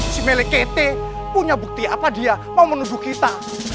si milik kete punya bukti apa dia mau menuduh kita